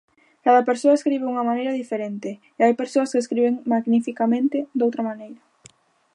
Cada persoa escribe dunha maneira diferente e hai persoas que escriben magnificamente, doutra maneira.